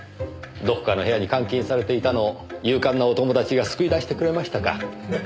どこかの部屋に監禁されていたのを勇敢なお友達が救い出してくれましたか。